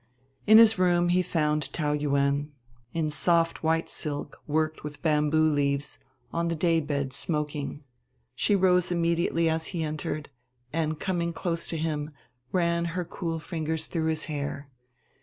In his room he found Taou Yuen, in soft white silk worked with bamboo leaves, on the day bed, smoking. She rose immediately as he entered; and, coming close to him, ran her cool fingers through his hair.